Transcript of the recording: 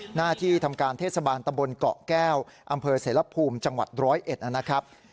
หน้าที่ทำการเทศบาลตะบนเกาะแก้วอำเภอเสรภูมิจังหวัด๑๐๑นะครับ